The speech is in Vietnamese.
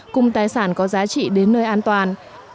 cùng tài sản có giá trị đến nơi an toàn